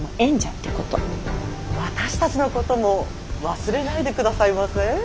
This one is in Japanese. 私たちのことも忘れないでくださいませ。